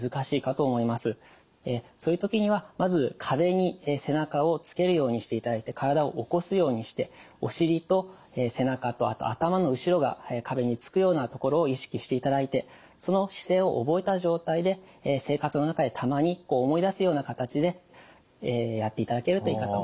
そういう時にはまず壁に背中をつけるようにしていただいて体を起こすようにしてお尻と背中とあと頭の後ろが壁につくようなところを意識していただいてその姿勢を覚えた状態で生活の中でたまに思い出すような形でやっていただけるといいかと思います。